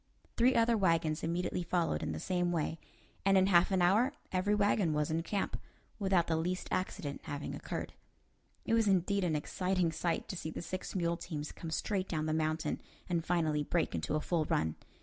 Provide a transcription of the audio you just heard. Three other wagons immediately followed in the same way, and in half an hour every wagon was in camp, without the least accident having occurred. It was indeed an exciting sight to see the six mule teams come straight down the mountain and finally break into a full run.